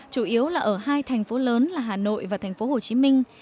chủ yếu là ở hai thành phố lớn là hà nội và thành phố hồ chí minh